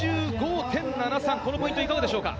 ６５．７３、このポイントはいかがですか？